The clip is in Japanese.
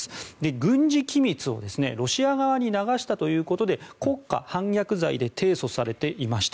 軍事機密をロシア側に流したということで国家反逆罪で提訴されていました。